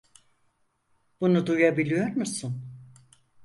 Bunu duyabiliyor musun?